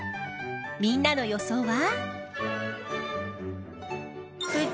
みんなの予想は？